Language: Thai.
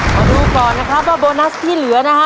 มาดูก่อนนะครับว่าโบนัสที่เหลือนะฮะ